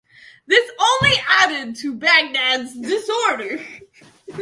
This only added to Baghdad's disorder.